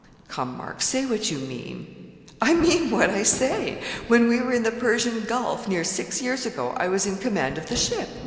'Come, Mark, say what you mean.' 'I mean what I say. When we were in the Persian Gulf, near six years ago, I was in command of the ship.